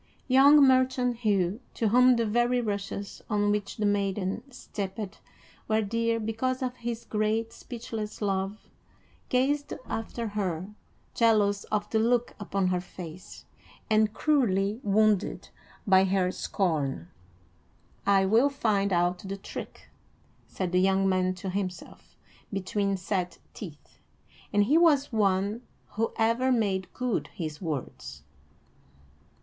Young merchant Hugh, to whom the very rushes on which the maiden stepped were dear because of his great speechless love, gazed after her, jealous of the look upon her face, and cruelly wounded by her scorn. "I will find out the trick," said the young man to himself, between set teeth; and he was one who ever made good his words.